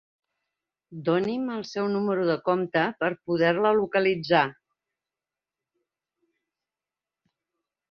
Doni'm el seu número de compte per poder-la localitzar.